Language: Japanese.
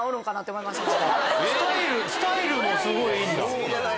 スタイルもすごいいいんだ？